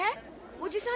おじさん